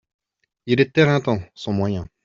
Il est éreintant, son moyen !